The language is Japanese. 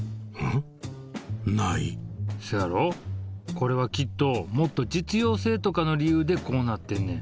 これはきっともっと実用性とかの理由でこうなってんねん。